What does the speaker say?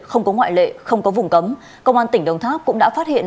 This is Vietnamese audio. không có ngoại lệ không có vùng cấm công an tỉnh đồng tháp cũng đã phát hiện